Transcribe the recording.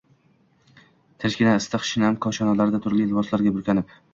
– “tinchgina”, issiq, shinam koshonalarda, turli liboslarga burkanib